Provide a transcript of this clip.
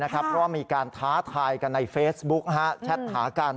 เพราะมีการท้าทายในเฟสบุ๊คชัดหากัน